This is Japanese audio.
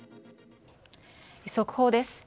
速報です。